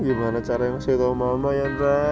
gimana cara yang masih tahu mama yandra